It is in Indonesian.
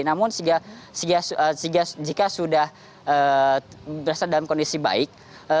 namun jika sudah berasal dalam kondisi baik